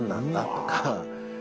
とか。